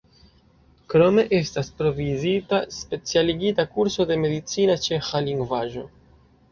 Krome estas provizita specialigita kurso de medicina ĉeĥa lingvaĵo.